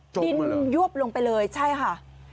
จบมาเหรอยวบลงไปเลยใช่ค่ะ